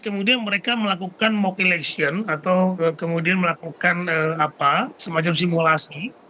kemudian mereka melakukan mock election atau kemudian melakukan semacam simulasi